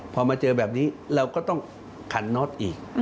พอมาเจอแบบนี้เราก็ต้องขันน็อตอีก